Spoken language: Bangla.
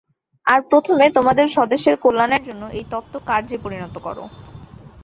আর প্রথমে তোমাদের স্বদেশের কল্যাণের জন্য এই তত্ত্ব কার্যে পরিণত কর।